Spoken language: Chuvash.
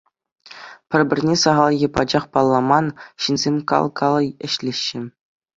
Пӗр-пӗрне сахал е пачах палламан ҫынсем кал-кал ӗҫлеҫҫӗ.